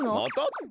って。